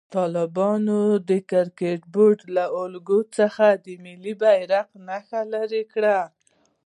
طالبانو د کرکټ بورډ له لوګو څخه د ملي بيرغ نښه لېري کړه.